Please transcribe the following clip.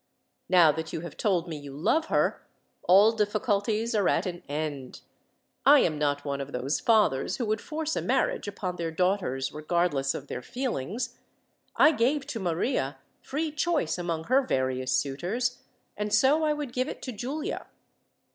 Now that you have told me you love her, all difficulties are at an end. I am not one of those fathers who would force a marriage upon their daughters, regardless of their feelings. I gave to Maria free choice among her various suitors, and so I would give it to Giulia.